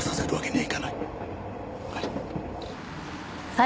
はい。